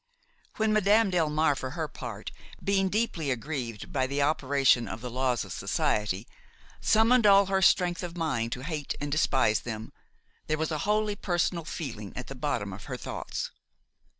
When Madame Delmare, for her part, being deeply aggrieved by the operation of the laws of society, summoned all her strength of mind to hate and despise them, there was a wholly personal feeling at the bottom of her thoughts.